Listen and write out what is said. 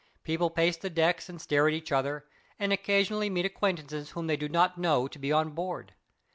People pace the decks and stare at each other, and occasionally meet acquaintances whom they did not know to be on board.